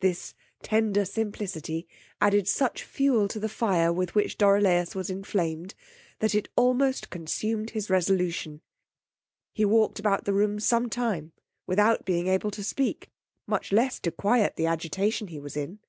This tender simplicity added such fewel to the fire with which Dorilaus was enflamed, that it almost consumed his resolution: he walked about the room some time without being able to speak, much less to quiet the agitation he was in.